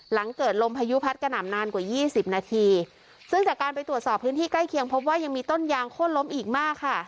หลังเกิดลมพายุพัดกระหน่ำนานกว่ายี่สิบนาทีซึ่งจากการไปตรวจสอบพื้นที่ใกล้เคียงพบว่ายังมีต้นยางโค้นล้มอีกมากค่ะ